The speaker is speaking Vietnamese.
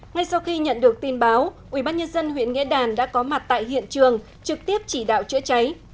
ngay sau khi nhận được tin báo ubnd huyện nghĩa đàn đã có mặt tại hiện trường trực tiếp chỉ đạo chữa cháy